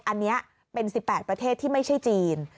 อันนี้เป็น๑๘ประเทศที่ไม่ใช่จีน